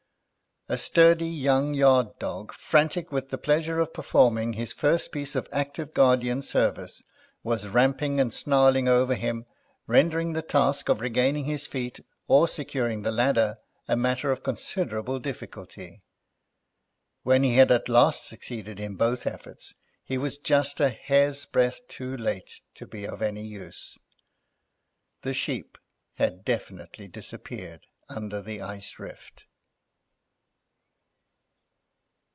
A sturdy young yard dog, frantic with the pleasure of performing his first piece of active guardian service, was ramping and snarling over him, rendering the task of regaining his feet or securing the ladder a matter of considerable difficulty. When he had at last succeeded in both efforts he was just by a hair's breadth too late to be of any use. The Sheep had definitely disappeared under the ice rift.